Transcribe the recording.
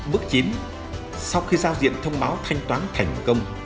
bước chín sau khi giao diện thông báo thanh toán thành công